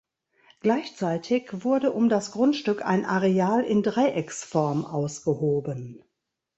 Gleichzeitig wurde um das Grundstück ein Areal in Dreiecksform ausgehoben.